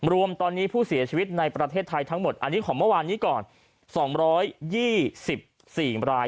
รวมตอนนี้ผู้เสียชีวิตในประเทศไทยทั้งหมดอันนี้ของเมื่อวานนี้ก่อน๒๒๔ราย